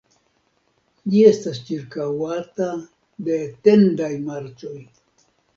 Ĝi estis ĉirkaŭata de etendaj marĉoj.